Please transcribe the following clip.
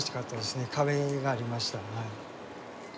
壁がありましたはい。